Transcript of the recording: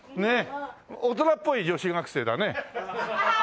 大人っぽい女子学生だね。